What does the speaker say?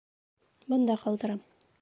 Бында ҡалдырам.